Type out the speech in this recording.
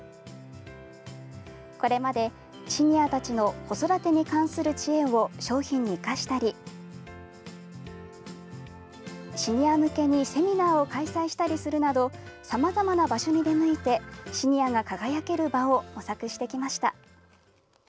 これまで、シニアたちの子育てに関する知恵を商品に生かしたりシニア向けにセミナーを開催したりするなどさまざまな場所に出向いてシニアが輝ける場を模索してきました。